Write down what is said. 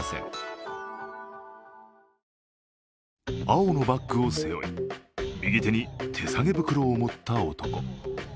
青のバッグを背負い右手に手提げ袋を持った男。